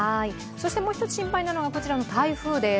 もう一つ心配なのがこちらの台風です。